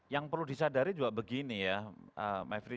yang perlu disadari juga begini ya mevri